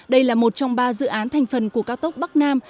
đây là một trong ba dự án thành phần của cao tốc bắc nam